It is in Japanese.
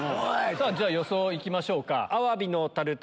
じゃ予想行きましょうか。